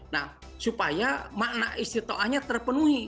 nah supaya makna istiqoahnya terpenuhi